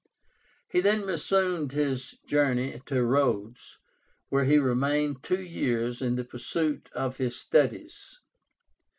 He then resumed his journey to Rhodes, where he remained two years in the pursuit of his studies.